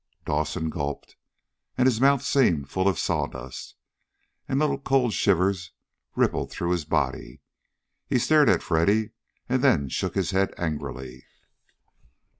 Dawson gulped, and his mouth seemed full of sawdust, and little cold shivers rippled through his body. He stared at Freddy, and then shook his head angrily.